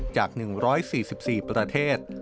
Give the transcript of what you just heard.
จาก๑๔๔ประเทศ